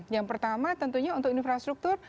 yang pertama tentunya untuk infrastruktur